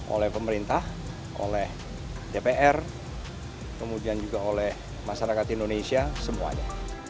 oleh pemerintah oleh dpr kemudian juga oleh masyarakat indonesia semuanya